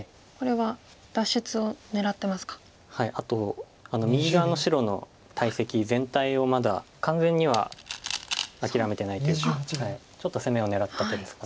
はいあと右側の白の大石全体をまだ完全には諦めてないというかちょっと攻めを狙った手ですか。